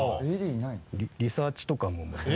リサーチとかも。